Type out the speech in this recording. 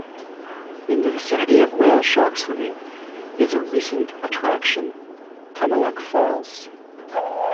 In the vicinity of whale shark swimming is a recent attraction: Tumalog Falls.